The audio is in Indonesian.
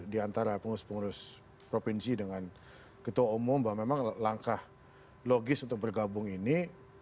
di antara pengurus pengurus provinsi dengan ketua umum bahwa memang langkah logis untuk bergabung ini